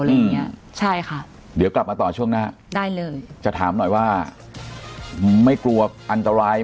อะไรอย่างเงี้ยใช่ค่ะเดี๋ยวกลับมาต่อช่วงหน้าได้เลยจะถามหน่อยว่าไม่กลัวอันตราย